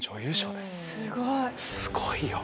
すごいよ！